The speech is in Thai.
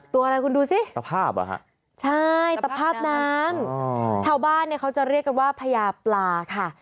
ตัวอะไรคุณดูสิใช่ตระภาพน้ำชาวบ้านเขาจะเรียกกันว่าพญาปลาค่ะ